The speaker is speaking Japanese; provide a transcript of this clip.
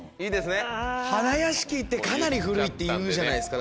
花やしきってかなり古いっていうじゃないですか。